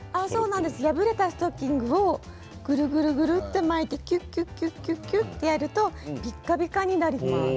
破れたストッキングをぐるぐるぐると巻いてきゅっきゅっきゅっとやるとピカピカになると。